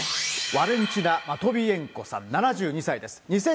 ワレンチナ・マトビエンコさん、７２歳です。